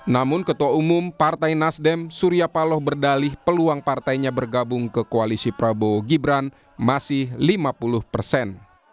namun ketua umum partai nasdem surya paloh berdalih peluang partainya bergabung ke koalisi prabowo gibran masih lima puluh persen